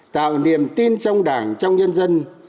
tạo niềm tin trong đảng trong nhân dân